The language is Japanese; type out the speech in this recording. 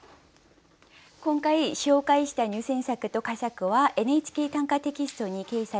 今回紹介した入選作と佳作は「ＮＨＫ短歌」テキストに掲載されます。